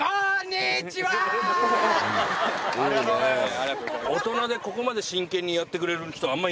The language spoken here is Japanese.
ありがとうございます。